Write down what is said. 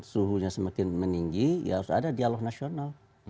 suhunya semakin meninggi ya harus ada dialog nasional